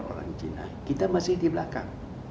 orang cina kita masih di belakang